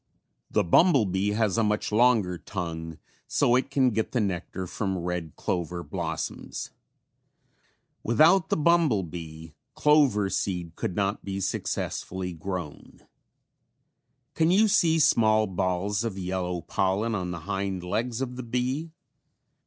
The bumble bee has a much longer tongue so it can get the nectar from red clover blossoms. Without the bumble bee clover seed could not be successfully grown. Can you see small balls of yellow pollen on the hind legs of the bee?